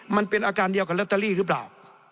มันเป็นอาการเดียวกับลอตเตอรี่หรือเปล่า